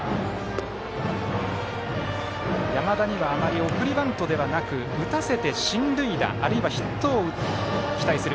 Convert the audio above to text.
山田にはあまり送りバントではなく打たせて進塁打あるいはヒットを期待する。